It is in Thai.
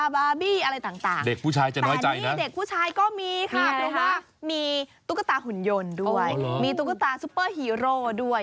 ว่าผู้ชายก็มีมีตุ๊กตาหุ่นยนต์ด้วยมีตุ๊กตาซุปเปอร์ฮีโรด้วย